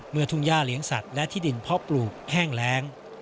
ทุ่งย่าเลี้ยงสัตว์และที่ดินเพาะปลูกแห้งแรง